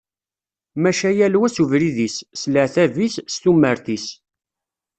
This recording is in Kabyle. Maca yal wa s ubrid-is, s leɛtab-is, d tumert-is.